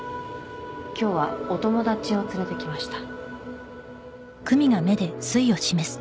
今日はお友達を連れてきました